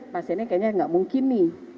pasiennya tidak mungkin